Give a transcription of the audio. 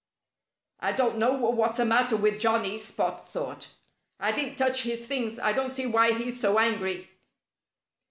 "I don't know what's the matter with Johnnie," Spot thought. "I didn't touch his things. I don't see why he's so angry."